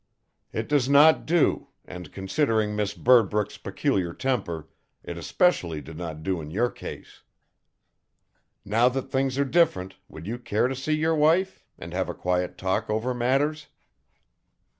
It does not do, and, considering Miss Birdbrook's peculiar temper, it especially did not do in your case. Now that things are different would you care to see your wife, and have a quiet talk over matters?"